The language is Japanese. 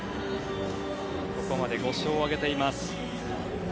ここまで５勝を挙げています。